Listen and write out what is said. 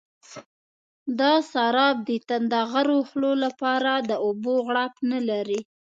دا سراب د تنده غرو خولو لپاره د اوبو غړپ نه لري.